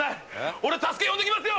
俺助け呼んで来ますよ！